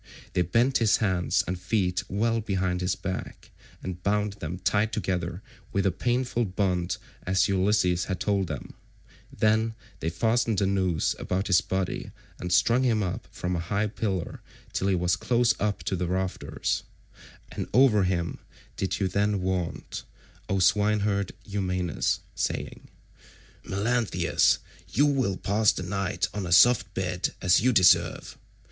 They bent his hands and feet well behind his back, and bound them tight with a painful bond as Ulysses had told them; then they fastened a noose about his body and strung him up from a high pillar till he was close up to the rafters, and over him did you then vaunt, O swineherd Eumaeus saying, "Melanthius, you will pass the night on a soft bed as you deserve.